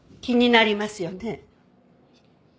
気になりますよね。